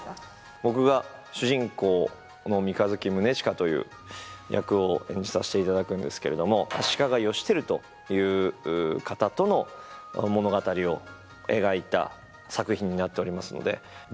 この三日月宗近という役を演じさせていただくんですけれども足利義輝という方との物語を描いた作品になっておりますのであとは